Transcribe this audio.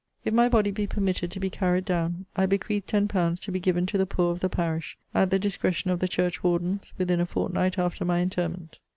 If my body be permitted to be carried down, I bequeath ten pounds to be given to the poor of the parish, at the discretion of the church wardens, within a fortnight after my interment.